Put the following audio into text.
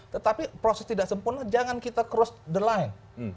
tetapi proses tidak sempurna jangan kita cross the line